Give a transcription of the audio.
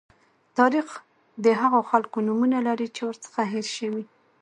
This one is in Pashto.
تاریخ د هغو خلکو نومونه لري چې ورڅخه هېر شوي.